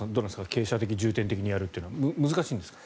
経済的に難しい人に重点的にやるというのは難しいんですか？